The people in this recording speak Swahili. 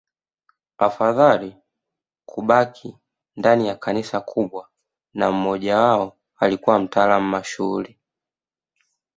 Afadhali kubaki ndani ya Kanisa kubwa na mmojawao alikuwa mtaalamu mashuhuri